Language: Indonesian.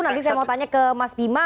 nanti saya mau tanya ke mas bima